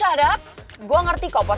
jalan enggak sama